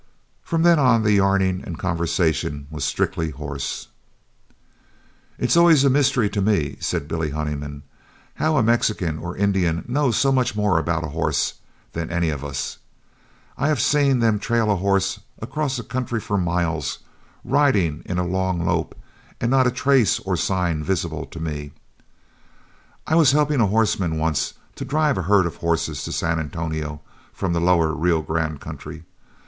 From then on, the yarning and conversation was strictly horse. "It was always a mystery to me," said Billy Honeyman, "how a Mexican or Indian knows so much more about a horse than any of us. I have seen them trail a horse across a country for miles, riding in a long lope, with not a trace or sign visible to me. I was helping a horseman once to drive a herd of horses to San Antonio from the lower Rio Grande country.